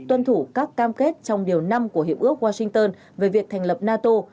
tuân thủ các cam kết trong điều năm của hiệp ước washington về việc thành lập nato